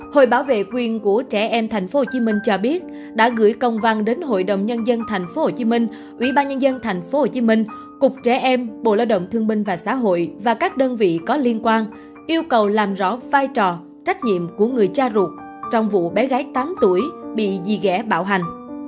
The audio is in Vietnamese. hội bảo vệ quyền của trẻ em tp hcm cho biết đã gửi công văn đến hội đồng nhân dân tp hcm ủy ban nhân dân tp hcm cục trẻ em bộ lao động thương minh và xã hội và các đơn vị có liên quan yêu cầu làm rõ vai trò trách nhiệm của người cha ruột trong vụ bé gái tám tuổi bị di dẻ bạo hành